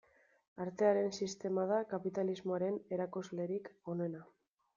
Artearen sistema da kapitalismoaren erakuslerik onena.